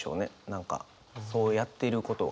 何かそうやっていることが。